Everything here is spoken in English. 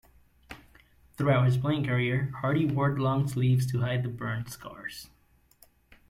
Throughout his playing career, Hardie wore long sleeves to hide the burn scars.